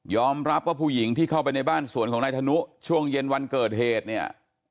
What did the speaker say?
รับว่าผู้หญิงที่เข้าไปในบ้านสวนของนายธนุช่วงเย็นวันเกิดเหตุเนี่ย